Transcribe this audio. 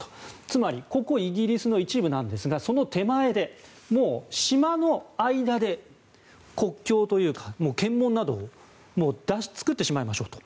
つまり、ここはイギリスの一部なんですがその手前で、もう島の間で国境というか検問などを作ってしまいましょうと。